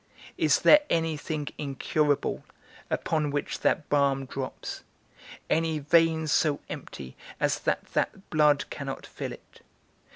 Is there any thing incurable, upon which that balm drops? Any vein so empty as that that blood cannot fill it?